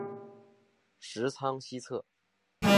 十仓西侧。